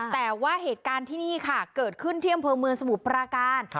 แต่ว่าเหตุการณ์ที่นี่ค่ะเกิดขึ้นที่อำเภอเมืองสมุทรปราการ